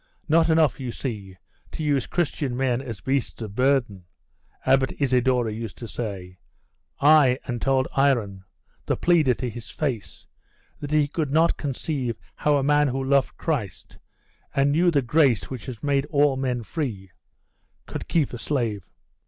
'Not enough, you see, to use Christian men as beasts of burden Abbot Isidore used to say ay, and told Iron, the pleader, to his face, that he could not conceive how a man who loved Christ, and knew the grace which has made all men free, could keep a slave.